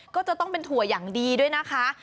ก็จะต้องเป็นถั่วอย่างดีด้วยนะคะ